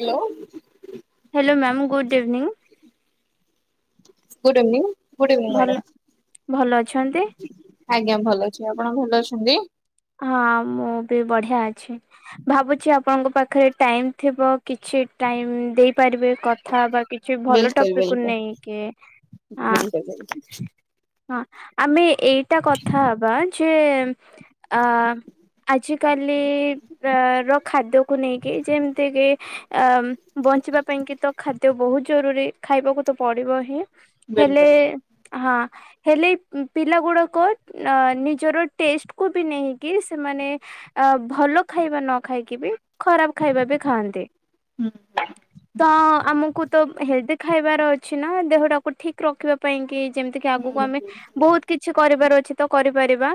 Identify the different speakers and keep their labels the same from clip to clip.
Speaker 1: Hello
Speaker 2: hello ma'am good evening.
Speaker 1: Good evening good evening
Speaker 2: ଭଲ ଭଲ ଅଛନ୍ତି
Speaker 1: ମ୍ୟାଡ଼ମ୍। ଆଜ୍ଞା, ଭଲ ଅଛି ଆପଣ ଭଲ ଅଛନ୍ତି।
Speaker 2: ହଁ, ମୁଁ ବି ବଢିଆ ଅଛି। ଭାବୁଛି ଆପଣଙ୍କ ପାଖରେ ଟାଇମ ଥିବ କିଛି ଟାଇମ ଦେଇପାରିବେ କଥା ହେବା କି କିଛି ଭଲ
Speaker 1: ବିଲକୁଲ
Speaker 2: ଟପିକକୁୁ
Speaker 1: ବିଲକୁଲ
Speaker 2: ନେଇକି ଆ
Speaker 1: [unintelligible]
Speaker 2: ହଁ, ଆମେ ଏଇଟା କଥା ହବା ଯେ ଆ ଆଜିିକାଲି। ଅ ର ଖାଦ୍ୟକୁ ନେଇକି ଯେମିତି କିି ଅ ବଞ୍ଚିବା ପାଇଁ କିି ତ ଖାଦ୍ୟ ବହୁତ ଜରୁରୀ ଖାଇବାକୁ ତ ପଡିବ ହିଁ ହେଲେ
Speaker 1: ବିଲକୁଲ
Speaker 2: ହଁ। ହେଲେ ପିଲା ଗୁଡ଼ାକ ନିଜର ଟେଷ୍ଟକୁ ବି ନେଇକି ସେମାନେ। ଅ ଭଲ ଖାଇବା ନ ଖାଇକି ବି ଖରାପ ଖାଇବା ବି ଖାଆନ୍ତି। ତ ଆମକୁ ତ ହେଡକ୍ ଖାଇବାର ଅଛି ନା, ଦେହଟାକୁ ଠିକ୍ ରଖିବା ପାଇଁ କି ଯେମିତି କିି ଆଗକୁ
Speaker 1: ହୁଁ
Speaker 2: ଆମେ
Speaker 1: ହୁଁ।
Speaker 2: ବହୁତ କିଛି କରିବାର ଅଛି ତ କରିପାରିବା।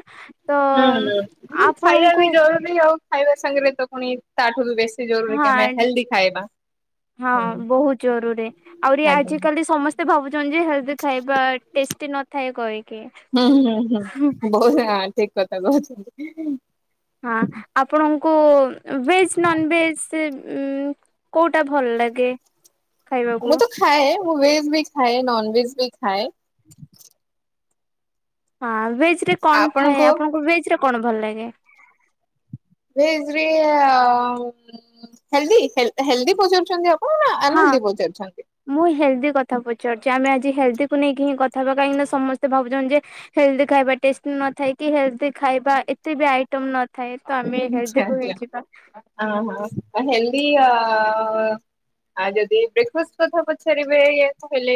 Speaker 2: ତ
Speaker 1: [unintelligible] ଖାଇବା ବି
Speaker 2: ଆପଣଙ୍କୁ
Speaker 1: ଜରୁରୀ ଆଉ ଖାଇବା ସାଙ୍ଗରେ ତ ପୁଣି ତାଠୁ ବି ବେଶି
Speaker 2: ହଁ, ହଁ ବହୁତ ଜରୁରୀ। ଆହୁରି
Speaker 1: ଆଜ୍ଞା
Speaker 2: ଆଜିକାଲି ସମସ୍ତ ସ୍ତେ ଭାବୁଛନ୍ତି ଯେ ହେଲଦି ଖାଇବା ଟେଷ୍ଟି ନଥାଏ କହିକି।
Speaker 1: [unintelligible] ଠିକ୍ କଥା କହୁଛନ୍ତି।
Speaker 2: ହଁ, ଆପଣଙ୍କୁ ଭେଜ୍ ନନଭେଜ୍ ରେ କୋଉଟା ଭଲ ଲାଗେ? ଖାଇବାକୁ
Speaker 1: ମୁଁ ତ ଖାଏ ମୁଁ ଭେଜ୍ ବି ଖାଏ ନନ୍ଭେଜ୍ ବି ଖାଏ।
Speaker 2: [inaudible] ହଁ ଭେଜ୍ ରେ କଣ ଥାଏ, ଆପଣଙ୍କୁ ଭେଜ୍ ରେ କଣ ଭଲ ଲାଗେ?
Speaker 1: ଭେଜ୍ ରେ ଆ ହେଲ୍ଦି ହେଲ୍ଦି ପଚାରୁଚନ୍ତି ଆ
Speaker 2: ହଁ।
Speaker 1: [unintelligible] ବହୁତ୍ ଅଛନ୍ତି।
Speaker 2: ମୁଁ ହେଲ୍ଦି କଥା ପଚାରୁଚି, ଆମେ ଆଜି ହେଲ୍ଦିକୁ ନେଇକି ହିଁ କଥା ହବା କାହିଁକିନା ସମସ୍ତେ ଭାବୁଛନ୍ତି ଯେ ହେଲ୍ଦି ଖାଇବା ଟେଷ୍ଟି ନଥାଇ କି ହେଲ୍ଦି ଖାଇବା ଏତେ ବି ଆଇଟମ୍ ନଥାଏ ତ ଆମେ ହେଲ୍ଦି କୁ ହିଁ ଯିବା।
Speaker 1: ହଁ ହଁ। ଆ ହେଲ୍ଦି ଅ ଆ ଯଦି ବ୍ରେକଫାଷ୍ଟ କଥା ପଚାରିବେ ତାହେଲେ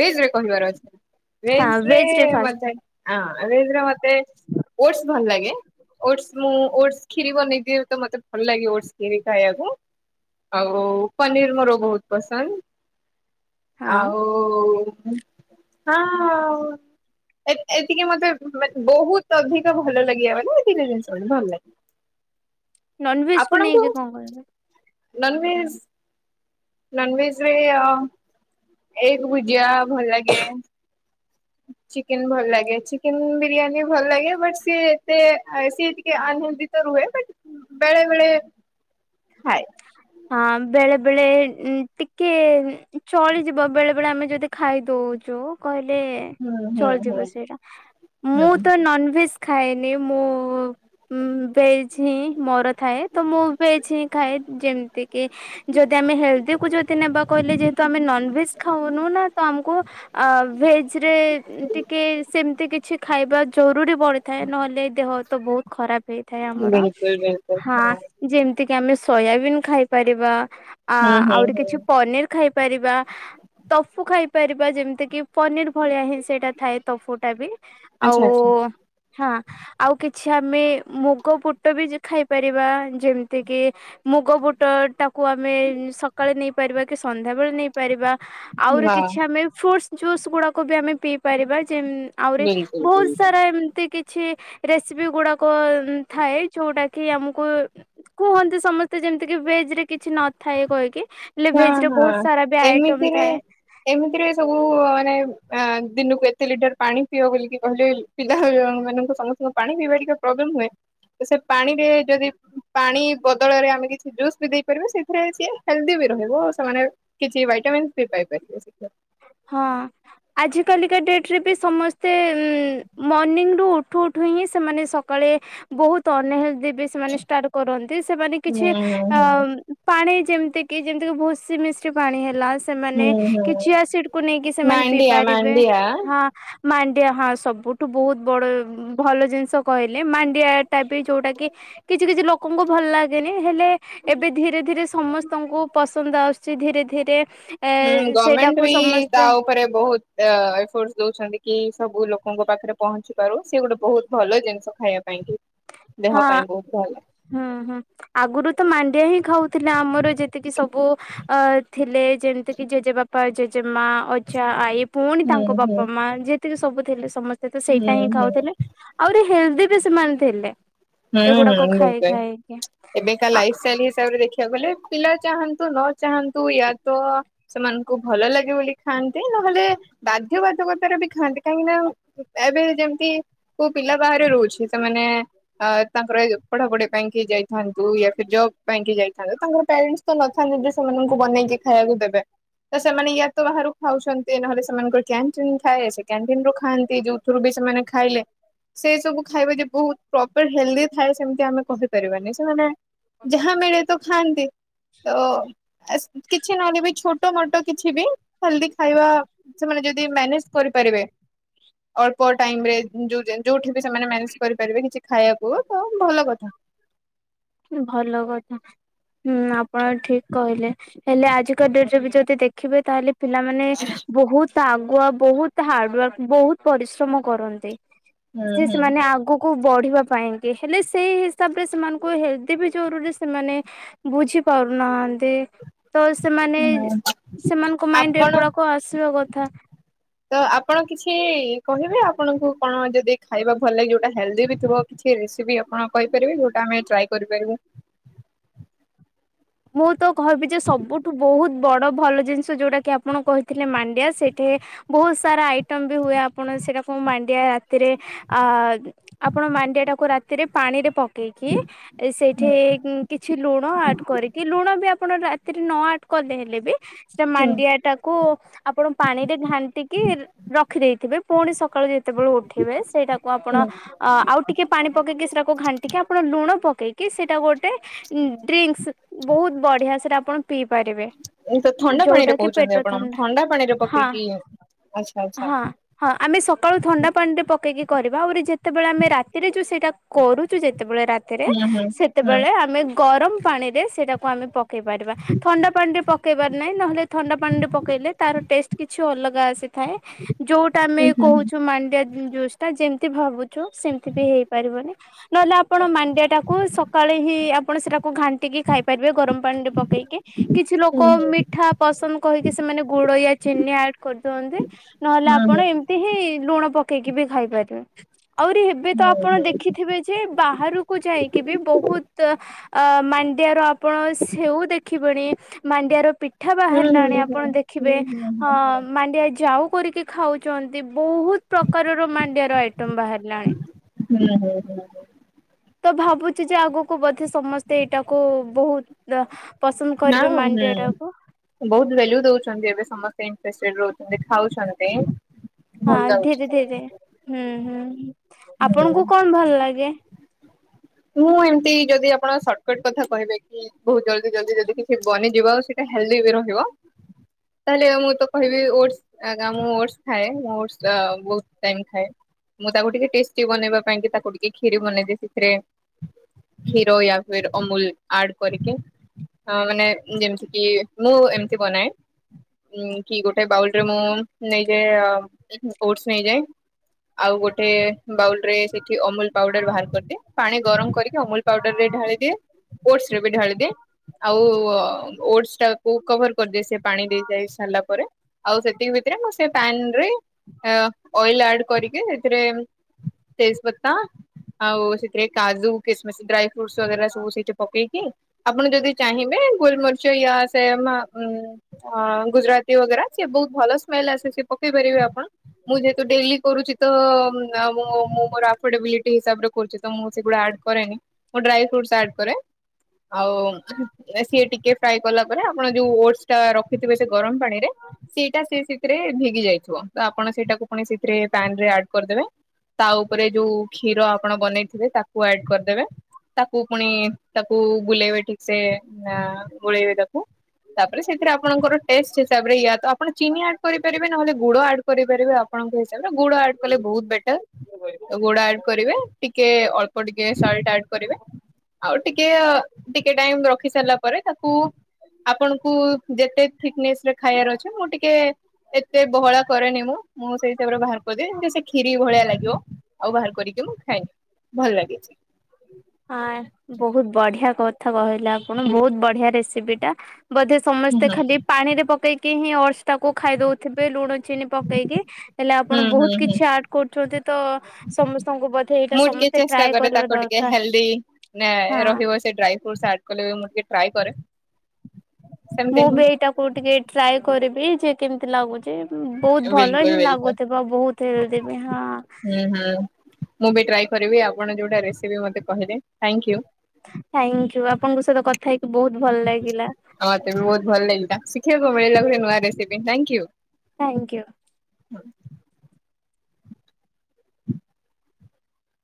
Speaker 1: ଭେଜ୍ ରେ କହିବାର ଅଛି। [unintelligible] ହଁ ଆଁ
Speaker 2: ଭେଜ ରେ ଫାଷ୍ଟ
Speaker 1: ଏଇଥିରେ ମତେ ଓଟସ୍ ଭଲ ଲାଗେ ଓଟସ୍। ମୁଁ ଓଟସ୍ କ୍ଷୀରି ବନେଇଦିଏ ତ ମତେ ଭଲ ଲାଗେ ଓଟସ୍ କ୍ଷୀରି ଖାଇବାକୁ। ଆଉ ପନିର୍ ମୋର ବହୁତ ପସନ୍ଦ।
Speaker 2: ହଁ।
Speaker 1: ଆଉ ହଁ ଆଉ ଏମ୍ ଏମତି କି ମତେ ମାନେ ବହୁତ ଅଧିକ ଭଲ ଲାଗିବ [unintelligible] ଭଲଲାଗେ।
Speaker 2: ନନଭେଜ୍ କୁ ନେଇକି କଣ କହିବ?
Speaker 1: ନନଭେଜ୍ ନନଭେଜ୍ ରେ ଅ ଏଗ୍ ଭୁଜିଆ ଭଲ ଲାଗେ। ଚିକେନ ଭଲ ଲାଗେ। ଚିକେନ ବିରିୟାନୀ ଭଲ ଲାଗେ ବଟ୍ ସିଏ ଏତେ ସିଏ ଟିକେ ଅନହେଲ୍ଦି ତ ରୁହେ। ବଟ୍ ବେଳେ ବେଳେ ଖାଏ।
Speaker 2: ହଁ ବେଳେ ବେଳେ ଟିକେ ଚଳିଯିବ ବେଳେ ବେଳେ ଆମେ ଯଦି ଖାଇଦଉଚୁ କହିଲେ
Speaker 1: ହୁଁ ହୁଁ ହୁଁ।
Speaker 2: ଚଳିଯିବ ସେଇଟା। ମୁଁ ତ ନନଭେଜ୍ ଖାଏନି ମୁଁ ଉଁ ଭେଜ୍ ହିଁ ମୋର ଥାଏ। ତ ମୁଁ ଭେଜ୍ ହିଁ ଖାଏ। ଯେମତି କି ଯଦି ଆମେ ହେଲ୍ଦି କୁ ଯଦି ନେବା କହିଲେ ଯେହେତୁ ଆମେ ନନଭେଜ୍ ଖାଉନୁ ନା ତ ଆମକୁ ଅ ଭେଜ୍ ରେ ଟିକେ ସେମତି କିଛି ଖାଇବା ଜରୁରୀ ପଡ଼ିଥାଏ। ନହେଲେ ଦେହ ତ ବହୁତ ଖରାପ ହେଇଥାଏ
Speaker 1: ହୁଁ
Speaker 2: ଆମର।
Speaker 1: ବିଲକୁଲ ବିଲକୁଲ
Speaker 2: ହଁ ଯେମତି କି ଆମେ ସୋୟାବିନ୍ ଖାଇପାରିବା ଆ
Speaker 1: ହୁଁ
Speaker 2: ଆହୁରି
Speaker 1: ହୁଁ ହୁଁ।
Speaker 2: କିଛି ପନିର୍ ଖାଇପାରିବା। ଟଫୁ ଖାଇପାରିବା ଯେମିତି କି ପନିର୍ ଭଳିଆ ହି ସେଇଟା ଥାଏ ଟୋଫୁ ଟା ବି।
Speaker 1: ଆଚ୍ଛା
Speaker 2: ଆଉ
Speaker 1: ଆଚ୍ଛା
Speaker 2: ହଁ ଆଉ କିଛି ଆମେ ମୁଗ, ବୁଟ ବି ଖାଇପାରିବା। ଯେମତି କିି ମୁଗ, ବୁଟ ଟାକୁ ଆମେ ସକାଳେ ନେଇପାରିବା କି ସନ୍ଧ୍ୟାବେଳେ ନେଇ ପାରିବା। ଆହୁରି
Speaker 1: ହଁ
Speaker 2: କିଛି ଆମେ ଫ୍ରୁଟ୍ସ୍ ଜୁସ୍ ଗୁଡାକୁ ବି ଆମେ ପିଇ ପାରିବା ଯେ ଆହୁରି
Speaker 1: ବିଲକୁଲ
Speaker 2: ବହୁତ
Speaker 1: ବିଲକୁଲ।
Speaker 2: ସାରା ଏମତି କି କିଛି ରେସିପି ଗୁଡାକ ଥାଏ, ଯୋଉଟା କି ଆମକୁ କୁହନ୍ତି ସମ ତ ଯେମିତି କି ଭେଜ୍ ରେ କିଛି ନଥାଏ କହିକି ହେଲେ
Speaker 1: ହଁ
Speaker 2: ଭେଜ୍ ରେ
Speaker 1: ହଁ
Speaker 2: ବହୁତ ସାରା ବି ଆଇଟମ୍
Speaker 1: ଏମିତିରେ
Speaker 2: ଥାଏ।
Speaker 1: ଏମିତିରେ ସବୁ ମାନେ ଅ ଦିନକୁ ଏତେ ଲିଟର ପାଣି ପିଅ ବୋଲିକି କହିଲେ ବୋଲି ପିଲାମାନଙ୍କୁ ସମସ୍ତଙ୍କ ପାଣି ପିଇବା ଟିକେ ପ୍ରୋବ୍ଲେମ ହୁଏ। ତ ସେ ପାଣିରେ ଯଦି ପାଣି ବଦଳରେ ଆମେ କିଛି ଜୁସ୍ ବି ଦେଇପାରିବା। ସେଥିରେ ସିଏ ହେଲ୍ଦି ବି ରହିବ। ସେମାନେ କିଛି ଭାଇଟାମିନ୍ ବି ପାଇପାରିବେ ସେଥିରେ।
Speaker 2: ହଁ। ଆଜି କାଲିକା ଡେଟରେ ବି ସମସ୍ତେ ଉଁ ମର୍ଣ୍ଣିଂରୁୁ ଉଠୁ ଉଠୁ ହିଁ ସେମାନେ ସକାଳେ ବହୁତ ଅନହେଲ୍ଦି ବି ସେମାନେ ଷ୍ଟାର୍ଟ କରନ୍ତି। ସେମାନେ କିଛି
Speaker 1: ହୁଁ ହୁଁ
Speaker 2: ଆ
Speaker 1: ହୁଁ।
Speaker 2: ପାଣି ଯେମିତି କି ଯେମିତି କି ଭୁସି ମିଶ୍ରି ପାଣି ହେଲା ସେମାନେ
Speaker 1: ହୁଁ ହୁଁ
Speaker 2: କିଛି ଚିଆସିଡକୁ ନେଇକି ସେମାନେ
Speaker 1: ମାଣ୍ଡିଆ
Speaker 2: ପିଇପାରିବେ
Speaker 1: ମାଣ୍ଡିଆ
Speaker 2: ହଁ। ମାଣ୍ଡିଆ ହଁ ସବୁଠୁ ବହୁତ ବଡ ଭଲ ଜିନିଷ କହିଲେ ମାଣ୍ଡିଆଟା ବି ଯୋଉଟା କି କିଛି କିଛି ଲୋକଙ୍କୁ ଭଲ ଲାଗେନି। ହେଲେ ଏବେ ଧୀରେ ଧୀରେ ସମସ୍ତଙ୍କୁ ପସନ୍ଦ ଆସୁଚି। ଧୀରେ ଧୀରେ ଏ
Speaker 1: ହୁଁ ଗମେଣ୍ଟ
Speaker 2: ସେଇଟାକୁ
Speaker 1: ବି
Speaker 2: ସମସ୍ତେ
Speaker 1: ତା ଉ ଉପରେ ବହୁତ ଏଫୋର୍ଟସ ଦଉଚନ୍ତି କି ସବୁ ଲୋକଙ୍କ ପାଖରେ ପହଁଞ୍ଚି ପାରୁ ସିଏ ଗୋଟେ ବହୁତ ଭଲ ଜିନିଷ। ଖାଇବା ପାଇଁ କି
Speaker 2: ହଁ
Speaker 1: ଦେହ ପାଇଁ ବହୁତ ଭଲ।
Speaker 2: ହୁଁ ହୁଁ ଆଗରୁ ତ ମାଣ୍ଡିଆ ହିଁ ଖାଉଥିଲେ। ଆମର ଯେତିକି ସବୁ ଅ ଥିଲେ ଯେମିତି କିି ଜେଜେବାପା, ଜେଜେମାଆ, ଅଜା, ଆଈ। ପୁଣି
Speaker 1: ହୁଁ
Speaker 2: ତାଙ୍କ
Speaker 1: ହୁଁ
Speaker 2: ବାପା ମାଆ ଯେତିକି ସବୁ ଥିଲେ ସମସ୍ତେ ତ
Speaker 1: ହୁଁ
Speaker 2: ସେଇଟା ହିଁ
Speaker 1: ହୁଁ
Speaker 2: ଖାଉଥିଲେ। ଆହୁରି ହେଲ୍ଦି ବି ସେମାନେ ଥିଲେ।
Speaker 1: ହୁଁ ହୁଁ
Speaker 2: ଏଗୁଡାକ ଖାଇ
Speaker 1: ନିଶ୍ଚୟ
Speaker 2: ଖାଇକି
Speaker 1: ଏବେକା ଲାଇଫ୍ ଷ୍ଟାଇଲ ହିସାବରେ ଦେଖିବାକୁ ଗଲେ ପିଲା ଚାହାନ୍ତୁ ନ ଚାହାନ୍ତୁ ୟା ତ ସେମାନଙ୍କୁ ଭଲ ଲାଗେ ବୋଲି ଖାଆନ୍ତି। ନହେଲେ ବାଧ୍ୟବାଧକତାରେ ବି ଖାଆନ୍ତି କାହିଁକି ନା ଏବେ ଯେମିତି କୋଉ ପିଲା ବାହାରୁ ରହୁଚି। ସେମାନେ ଆ ତାଙ୍କର ପଢାପଢି ପାଇଁକି ଯାଇଥାନ୍ତୁ। ୟା ଫିର ଜବ ପାଇଁକି ଯାଇଥାନ୍ତୁ। ତାଙ୍କର ପ୍ୟାରେଣ୍ଟସ୍ ତ ନଥାନ୍ତି ଯେ ସେମାନଙ୍କୁ ବନେଇକି ଖାଇବାକୁ ଦେବେ। ତ ସେମାନେ ୟା ତ ବାହାରୁ ଖାଉଚନ୍ତି ନହେଲେ ସେମାନଙ୍କର କ୍ୟାଣ୍ଟିନ ଥାଏ ସେ କ୍ୟାଣ୍ଟିନ ରୁ ଖାଆନ୍ତି। ଯୋଉ ଥୁରୁ ବି ସେମାନେ ଖାଇଲେ ସେ ସବୁ ଖାଇବା ଯେ ବହୁତ ପ୍ରପର ହେଲ୍ଦି ଥାଏ ସେମତି ଆମେ କହିପାରିବାନି ସେମାନେ ଯାହା ମିଳେ ତ ଖାଆନ୍ତି। ତ ଆସ୍ କିଛି ନହେଲେ ବି ଛୋଟ ମୋଟ କିଛି ବି ହେଲ୍ଦି ଖାଇବା ସେମାନେ ଯଦି ମ୍ୟାନେଜ କରିପାରିବେ ଅଳ୍ପ ଟାଇମରେ ଯୋଉ-ଯୋଉଠି ଯଦି ସେମାନେ ମ୍ୟାନେଜ କରିପାରିବେ କିଛି ଖାଇବାକୁ ତ ଭଲ କଥା।
Speaker 2: ଭଲ କଥା। ହୁଁ ଆପଣ ଠିକ କହିଲେ ହେଲେ ଆଜିକା ଡେଟ ରେ ବି ଯଦି ଦେଖିବେ ତାହେଲେ ପିଲାମାନେ ବହୁତ ଆଗୁଆ ବହୁତ ହାର୍ଡାୱାର୍କ ବହୁତ ପରିଶ୍ରମ କରନ୍ତି।
Speaker 1: ହୁଁ
Speaker 2: ସେ
Speaker 1: ହୁଁ
Speaker 2: ସେମାନେ ଆଗକୁ କୁ ବଢିବା ପାଇଁ କି ହେଲେ ସେ ସେଇ ହିସାବ ରେ ସେମାନଙ୍କୁ ହେଲ୍ଦ ବି ଜରୁରୀ ସେମାନେ ବୁଝି ପାରୁନାହାନ୍ତି। ତ ସେମାନେ
Speaker 1: ହୁଁ।
Speaker 2: ସେମାନଙ୍କ ମାଇଣ୍ଡରେ
Speaker 1: ଆପଣ
Speaker 2: ଏଗୁଡାକ ଆସିବା କଥା।
Speaker 1: ତ ଆପଣ କିଛି କହିବେ ଆପଣଙ୍କୁ କଣ ଯଦି ଖାଇବା ଭଲ ଲାଗେ ଯୋଉଟା ହେଲ୍ଦି ବି ଥିବ? କିଛି ରେସିପି ଆପଣ କହିପାରିବେ ଯୋଉଟା ଆମେ ଟ୍ରାଏ କରିପାରିବୁ?
Speaker 2: ମୁଁ ତ କହିବି ଯେ ସବୁଠୁ ବହୁତ ବଡ଼ ଭଲ ଜିନିଷ ଯୋଉଟାକି ଆପଣ କହିଥିଲେ ମାଣ୍ଡିଆ। ସେଇଠି ବହୁତ ସାରା ଆଇଟମ ବି ହୁଏ ଆପଣ ସେଟାକୁ ମୁଁ ମାଣ୍ଡିଆ ରାତିରେ ଆ ଆପଣ ମାଣ୍ଡିଆ ଟାକୁ ରାତିରେ ପାଣି ରେ ପ ପକେଇି ସେଇଠି
Speaker 1: ହୁଁ।
Speaker 2: କିଛି ଲୁଣ ଆଡ କରିକି ଲୁଣ ବି ଆପଣ ରାତିରେ ନ ଆଡ କଲେ ହେଲେ ବି ସେଟା ମାଣ୍ଡିଆ ଟାକ୍ କୁ ଆପଣ ପାଣି ରେ ଘାଣ୍ଟିକି ରଖିଦେଇଥିବେ। ପୁଣି ସକାଳୁ ଯେତେବେଳେ ଉଠିବେ ସେଇଟାକୁ ଆପଣ ଆ ଆଉ ଟିକେ ପାଣି ପକେଇକି ସେଟାକୁ ଘାଣ୍ଟିକି ଆପଣ ଲୁଣ ପକେଇକି ସେଇଟା ଗୋଟେ ଉଁ ଡ୍ରିଙ୍କସ ବହୁତ ବଢିଆ ସେରେ ଆପଣ ପିଇ ପାରିବେ।
Speaker 1: ଉଁ ତ ଥଣ୍ଡା ପାଣିରେ
Speaker 2: ଯୋଉଟା କି
Speaker 1: କହୁଚନ୍ତି
Speaker 2: ପେଟ
Speaker 1: ଆପଣ। ଥଣ୍ଡା ପାଣିରେ
Speaker 2: ହଁ।
Speaker 1: ପକେଇକି ଆଚ୍ଛା ଆଚ୍ଛା।
Speaker 2: ହଁ ହଁ ଆମେ ସକାଳୁ ଥଣ୍ଡା ପାଣି ରେ ପକେଇକି କରିବା ଆଉରି ଯେତେବେଳେ ଆମେ ରାତିରେ ଯୋଉ ସେଇଟା କରୁଚୁ ଯେତେବେଳେ ରାତି ରେ
Speaker 1: ହୁଁ ହୁଁ ହୁଁ
Speaker 2: ସେତେବେଳେ ଆମେ ଗରମ ପାଣିରେ ସେଟାକୁ ଆମେ ପକେଇ ପାରିବା। ଥଣ୍ଡା ପାଣିରେ ପକାଇବାର ନାହିଁ ନହେଲେ ଥଣ୍ଡା ପାଣିରେ ପକାଇଲେ ତାର ଟେଷ୍ଟ କିଛି ଅଲଗା ଆସିଥାଏ। ଯୋଉ ଆମେ
Speaker 1: ହୁଁ ହୁଁ ହୁଁ।
Speaker 2: କହୁଛୁ ମାଣ୍ଡିଆ ଜୁସ୍ ଟା ଯେମତି ଭାବୁଛୁ ସେମତି ବି ହେଇପାରିବନି। ନହେଲେ ଆପଣ ମାଣ୍ଡିଆ ଟାକୁ ସକାଳେ ହିଁ ଆପଣ ସେଟାକୁ ଘାଣ୍ଟିକି ଖାଇ ଗରମ ପାଣି ରେ ପକେଇକି, କିଛି
Speaker 1: ବହୁତ
Speaker 2: ଲୋକ ମି ମିିଠା ପସନ୍ଦ କହିକି ସେମାନେ ଗୁଡ ୟା ଚିନି ଆଡ୍ କରିଦିଅନ୍ତି, ନହେଲେ ଆପଣ
Speaker 1: ଭାଲ୍ୟୁ
Speaker 2: ଏ ହିଁ ଲୁଣ ପକେଇକି ବି ଖାଇପାରିବେ, ଆହୁରି ଏବେ ତ ଆପଣ ଦେଖି ଥିବେ ଯେ ବାହାରକୁ ଯାଇକି ବି ବହୁତ ଅ ମାଣ୍ଡିଆର ଆପଣ ସେଉ ଦେଖିବେଣୀ, ମାଣ୍ଡିଆର ପିଠ ଠା ବାହାରିଲାଣି ଆପଣ
Speaker 1: ଦଉଛନ୍ତି
Speaker 2: ଦେଖିବେ, ହଁ ମାଣ୍ଡିଆ ଯାଉ କରିକି ଖାଉଛନ୍ତି, ବହୁତ ପ୍ରକାରର ମାଣ୍ଡିଆ ର ଆଇଟମ ବାହାରିଲାଣି।
Speaker 1: ହୁଁ ହୁଁ ହୁଁ।
Speaker 2: ତ ଭାବୁଛି ଯେ ଆଗକୁ ବୋଧେ ସମସ୍ତେ ଏଇଟାକୁ ବହୁତ ପସନ୍ଦ କରିବେ
Speaker 1: ହଁ ହଁ।
Speaker 2: ମାଣ୍ଡିଆ ଟାକୁ
Speaker 1: ବହୁତ ଭେଲ୍ୟୁ ଦଉଛନ୍ତି ଏବେ ସମସ୍ତେ ଇଣ୍ଟରେଷ୍ଟଡ ରହୁଛନ୍ତି ଖାଉଛନ୍ତି। ଭଲ
Speaker 2: ହଁ
Speaker 1: ଲାଗୁଛି
Speaker 2: ଧୀରେ ଧୀରେ,
Speaker 1: ସେମାନେ।
Speaker 2: ହୁଁ ହୁଁ ଆପଣଙ୍କୁ କଣ ଭଲ ଲାଗେ?
Speaker 1: ମୁଁ ଏମତି ଯଦି ଆପଣ ସର୍ଟକଟ କଥା କହିବେ କି ବହୁତ ଜଲଦି ଜଲଦି ଯଦି କିଛି ବନିଯିବ ଆଉ ସେଇଟା ହେଲ୍ଦି ବି ରହିବ ତାହେଲେ ମୁଁ ତ କହିବି ଓଟଶ୍। ମୁଁ ଓଟ୍ସଶ୍ ଖାଏ, ମୁଁ ଓଟଶ୍ ବହୁତ୍ ଟାଇମ୍ ଖାଏ। ମୁଁ ତାକୁ ଟିକେ ଟେଷ୍ଟି ବନେଇବା ପାଇଁ କି ତାକୁ ଟିକେ କ୍ଷୀରି ବନେଇଦିଏ ସେଥିରେ। କ୍ଷୀର ୟା ଫିର୍ ଅମୂଲ ଆଡ଼ କରିକି। ହଁ ମାନେ ଯେମିତି କି ମୁଁ ଏମିତି ବନାଏ। ଉ କି ଗୋଟେ ବାଉଲରେ ମୁଁ ନେଇ ଯାଏ ଓଟସ ନେଇଯାଏ, ଆଉ ଗୋଟେ ବାଉଲ ରେ ସେଠି ଅମୁଲ ପାଉଡର ବାହାର କରିଦିଏ। ପାଣି ଗରମ କରିକି ଅମୁଲ ପାଉଡରରେ ଢାଳି ଦିଏ ଓଟସ ରେ ବି ଢାଳିଦିଏ। ଆଉ ଓଟସ୍ ଟାକୁ କଭର କରିଦିଏ, ସେ ପାଣି ଦେଇ ଯାଇ ସାରିଲା ପରେ। ଆଉ ସେତିକି ଭିତରେ ମୁଁ ସେ ପ୍ୟାନରେ ଅଏଲ ଆଡ କରିକି ସେଥିରେ ତେଜ ପତ୍ତା ଆଉ ସେଥିରେ କାଜୁ କିସମିସ ଡ୍ରାଏ ଫ୍ରୁଟ୍ସ୍ ବଗେରା ସବୁ ସେଠୀ ପକେଇକି ଆପଣ ଯଦି ଚାହିଁବେ ଗୋଲମରିଚ ୟା ସେ ଅ ଗୁଜୁରାତି ବଗେରା ସିଏ ବହୁତ ଭଲ ସ୍ମେଲ ଆସେ ସି ପକେଇ ପାରିବେ ଆପଣ। ମୁଁ ଯେହେତୁ ଡେଲି କରୁଛି ତ ମୁ ମୋର ଆଫଡେବିଲିଟି ହିସାବରେ କରୁଛି। ତ ମୁଁ ସେଗୁଡ଼ା ଆଡ କରେନି ମୁଁ ଡ୍ରାଇ ଫ୍ରୁଟ ଆଡ଼ କରେ। ଆଉ ସିଏ ଟିକେ ଫ୍ରାଏ କଲା ପରେ ଆପଣ ଯୋଉ ଓଟଶ୍ ରଖିଥିବେ ସେ ଗରମ ପାଣି ରେ ସେଇଟା ସେ ସେଥିରେ ଭିଗି ଯାଇଥିବ ତ ଆପଣ ସେଇଟାକୁ ପୁଣି ସେଥିରେ ପାନ ରେ ଆଡ କରିଦେବେ। ତା ଉପରେ ଯୋଉ କ୍ଷୀର ଆପଣ ବନେଇଥିବେ ତାକୁ ଆଡ କରିଦେବେ। ତାକୁ ପୁଣି ତାକୁ ବୁଲେଇବେ ଠିକ ସେ ଗୋଳେଇବେ ତାକୁ। ତାପରେ ସେଥିରେ ଆପଣଙ୍କର ଟେଷ୍ଟ ହିସାବରେ ୟା ତ୍ ଆପଣ ଚିନି ଆଡ୍ କରିପାରିବେ ନହେଲେ ଗୁଡ ଆ ପାରିବେ ଆପଣଙ୍କ ହିସାବରେ, ଗୁଡ ଆଡ କଲେ ବହୁତ ବେଟର ଗୁଡ ଆଡ କରିବେ, ଟିକେ ଟିକେ ଅଳ୍ପ ଟିକେ ଶଲ୍ଟ ଆଡ କରିବେ। ଆଉ ଟିକେ, ଟିକେ ଟାଇମ ରଖି ସାରିଲା ପରେ ତାକୁ ଆପଣଙ୍କୁ ଯେତେ ଥିକନେସ ରେ ଖାଇବାର ଅଛି, ମୁଁ ଟିକେ ଏତେ ବହଳା କରେନି ମୁଁ, ମୁଁ ସେଇ ହିସାବରେ ବାହାର କରିଦିଏ ସେ କ୍ଷୀରି ଭଳିଆ ଲାଗେ ତୋ ଆଉ ବାହାର କରିକି ମୁଁ ଖାଇନିଏ ଭଲ ଲାଗିଛି।
Speaker 2: ହଁ। ବହୁତ ବଢିଆ କଥା କହିଲେ ଆପଣ, ବହୁତ ବଢିଆ ରେସିପି ଟା, ବଧେ
Speaker 1: ହୁଁ
Speaker 2: ସମସ୍ତେ
Speaker 1: ହୁଁ
Speaker 2: ଖାଲି ପାଣି ରେ ପକେଇକି ହିଁ ଓଟସ୍ ତାକୁ ଖାଇଦଉଥିବେ ଲୁଣ ଚିନି ପକେଇକି ହେଲେ
Speaker 1: ହୁଁ
Speaker 2: ଆପଣ
Speaker 1: ହୁଁ
Speaker 2: ବହୁତ
Speaker 1: ହୁଁ
Speaker 2: କିଛି ଆଡ କରୁଛନ୍ତି। ତ ସମସ୍ତଙ୍କୁ ବୋଧେ ଏଇଟା
Speaker 1: ମୁଁ ଟିକେ
Speaker 2: ସମସ୍ତେ
Speaker 1: ଚେଷ୍ଟା
Speaker 2: ଟ୍ରାଏ
Speaker 1: କରେ
Speaker 2: କରିବା
Speaker 1: ତାକୁ ଟିକେ
Speaker 2: ଦରକାର
Speaker 1: ହେଲ୍ଦି
Speaker 2: ହଁ।
Speaker 1: ରହିବ ସେ ଡ଼୍ରାଇ ଫ୍ରୁଟ୍ସ ଆଡ୍ ମୁ ଟ୍ରାଇ କରେ। ସେମିତି
Speaker 2: ମୁଁ
Speaker 1: ହିଁ
Speaker 2: ବି ଏଇଟାକୁ ଟିକେ ଟ୍ରାଏ କରିବି ଯେ କେମିତି ଲାଗୁଛି। ବହୁତ ଭଲ
Speaker 1: ବିଲକୁଲ
Speaker 2: ହିଁ
Speaker 1: ବିଲକୁଲ
Speaker 2: ଲାଗୁଥିବ ବହୁତ ହେଲେ ହେଲଦି ବି ହଁ।
Speaker 1: ହୁଁ ହୁଁ ମୁଁ ବି ଟ୍ରାଏ କରିବି ଆପଣ ଯୋଉଟା ରେସିପି ମତେ କହିଲେ ଥାଇଁକ୍ୟୁ।
Speaker 2: ଥାଙ୍କ ୟୁ ଆପଣଙ୍କ ସହିତ କ ଥାଇକି ବହୁତ ଭଲ ଲାଗିଲା।
Speaker 1: ହଁ ତ ବହୁତ ଭଲ ଲାଗିଲା ଶିଖିବାକୁ ମିଳିଲା ଗୋଟେ ନୂଆ ରେସିପି ଥାଙ୍କ ୟୁ।
Speaker 2: ଥ୍ୟାଙ୍କୟୁ।